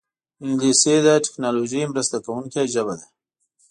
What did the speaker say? انګلیسي د ټیکنالوژۍ مرسته کوونکې ژبه ده